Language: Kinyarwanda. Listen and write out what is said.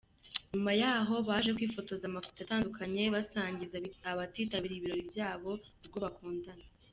Nyuma yaho baje kwifotoza amafoto atandukanye basangiza abitabiriye ibirori byabo urwo bakundana.